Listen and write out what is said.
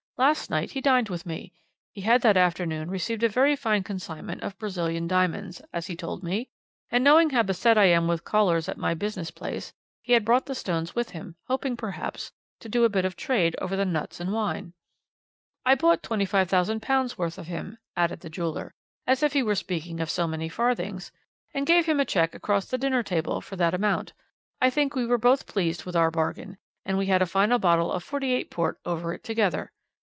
Last night he dined with me. He had that afternoon received a very fine consignment of Brazilian diamonds, as he told me, and knowing how beset I am with callers at my business place, he had brought the stones with him, hoping, perhaps, to do a bit of trade over the nuts and wine. "'I bought £25,000 worth of him,' added the jeweller, as if he were speaking of so many farthings, 'and gave him a cheque across the dinner table for that amount. I think we were both pleased with our bargain, and we had a final bottle of '48 port over it together.